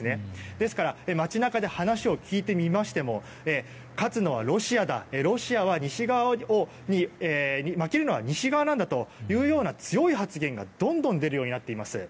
ですから街中で話を聞いてみましても勝つのはロシアだ負けるのは西側なんだと強い発言がどんどん出るようになっています。